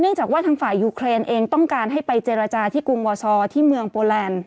จากว่าทางฝ่ายยูเครนเองต้องการให้ไปเจรจาที่กรุงวอซอที่เมืองโปแลนด์